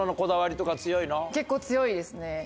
結構強いですね。